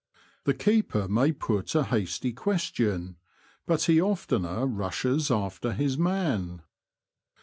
The keeper may put a hasty question, but he oftener rushes after his man.